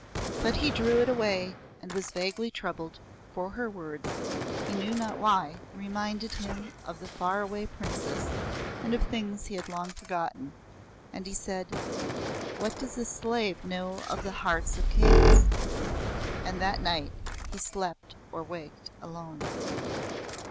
But he drew it away and was vaguely troubled, for her words, he knew not why, reminded him of the Far Away Princess and of things he had long forgotten, and he said; "What does a slave know of the hearts of Kings?" And that night he slept or waked alone.